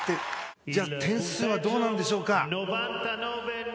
じゃあ、点数はどうでしょうか？